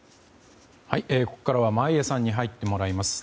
ここからは眞家さんに入ってもらいました。